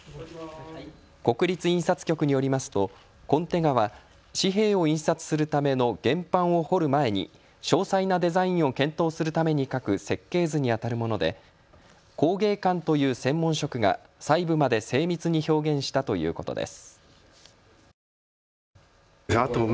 国立印刷局によりますとコンテ画は紙幣を印刷するための原版を彫る前に詳細なデザインを検討するために描く設計図にあたるもので工芸官という専門職が細部まで精密に表現したということです。